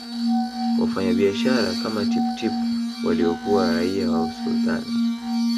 Wafanyabiashara kama Tipp Tip waliokuwa raia wa Usultani